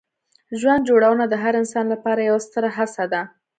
ژوند جوړونه د هر انسان لپاره یوه ستره هڅه ده.